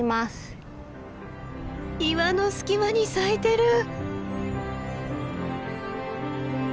岩の隙間に咲いてる！